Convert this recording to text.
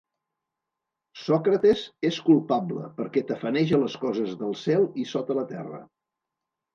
Sòcrates és culpable perqué tafaneja les coses del cel i de sota la terra.